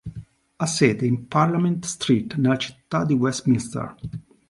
Ha sede in Parliament Street nella Città di Westminster.